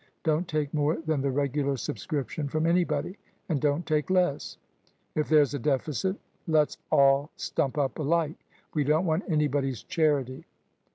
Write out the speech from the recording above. Don't take more than the regular subscription from anybody, and don't take less. If there's a deficit let's all stump up alike. We don't want anybody's charity."